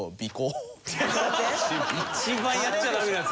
一番やっちゃダメなやつ。